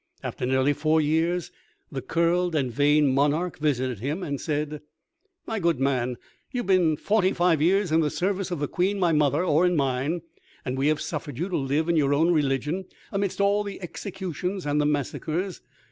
After nearly four years, the curled and vain monarch visited him, and said, "My good man, you have been forty five years in the service of the Queen my mother, or in mine, and we have suffered you to live in your own religion, amidst all the executions and the massacres.